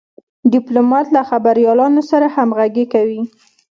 ډيپلومات له خبریالانو سره همږغي کوي.